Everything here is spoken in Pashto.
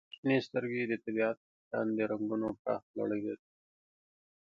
• شنې سترګې د طبیعت په شان د رنګونو پراخه لړۍ لري.